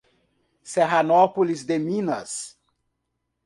Serranópolis de Minas